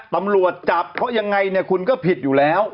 ตำรวจจับเพราะยังไงเนี่ยคุณก็ผิดอยู่แล้ว